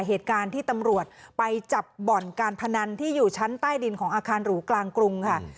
เหตุการณ์ที่ตำรวจไปจับบ่อนการพนันที่อยู่ชั้นใต้ดินของอาคารหรูกลางกรุงค่ะ